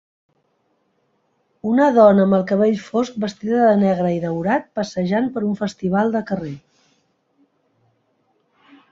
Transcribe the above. Una dona amb el cabell fosc vestida de negre i daurat passejant per un festival de carrer.